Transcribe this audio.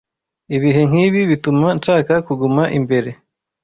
Ibihe nkibi bituma nshaka kuguma imbere.